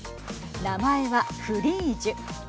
名前は、フリージュ。